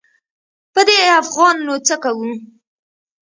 په دې افغان نو څه کوو.